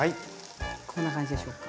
こんな感じでしょうか。